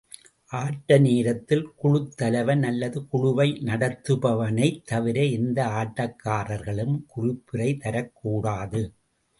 ஆட்ட நேரத்தில் குழுத் தலைவன் அல்லது குழுவை நடத்துபவனைத் தவிர எந்த ஆட்டக்காரர்களும் குறிப்புரை தரக்கூடாது.